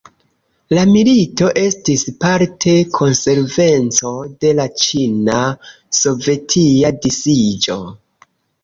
La milito estis parte konsekvenco de la Ĉina-sovetia disiĝo.